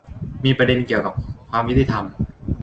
มีประเด็นเกี่ยวกับความยุติธรรม